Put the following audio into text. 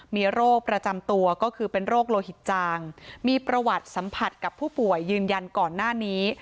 มีโรคประจำตัวก็คือเป็นโรคโลหิตจางมีประวัติสัมผัสกับผู้ป่วยยืนยันก่อนหน้านี้